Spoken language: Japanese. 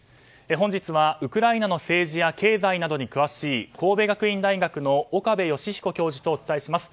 本日はウクライナの政治や経済などに詳しい神戸学院大学の岡部芳彦教授とお伝えします。